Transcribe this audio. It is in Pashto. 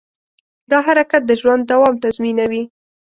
دا حرکت د ژوند دوام تضمینوي.